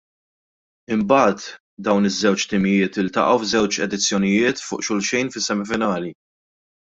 Imbagħad dawn iż-żewġ timijiet iltaqgħu f'żewġ edizzjonijiet fuq xulxin fis-semifinali.